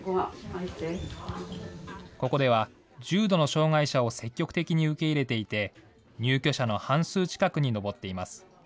ここでは、重度の障害者を積極的に受け入れていて、入居者の半数近くに上っています。